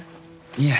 いえ。